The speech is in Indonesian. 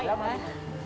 terima kasih ya pak